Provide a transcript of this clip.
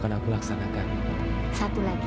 ada masalah apa tuh bu